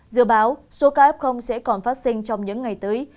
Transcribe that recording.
dự báo số ca f sẽ còn phát sinh trong những ngày tới